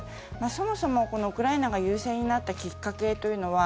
そもそもウクライナが優勢になったきっかけというのは